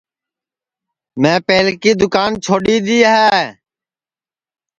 میں پہلکی دؔوکان چھوڈؔی دؔی ہے